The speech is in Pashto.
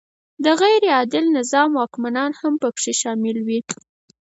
د غیر عادل نظام واکمنان هم پکې شامل وي.